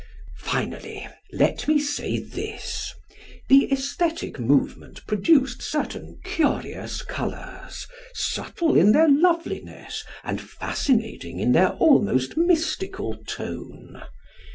Finally, let me say this the æsthetic movement produced certain curious colours, subtle in their loveliness and fascinating in their almost mystical tone.